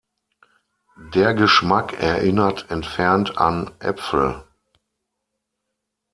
Der Geschmack erinnert entfernt an Äpfel.